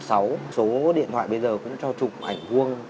các bố điện thoại bây giờ cũng cho chụp ảnh vuông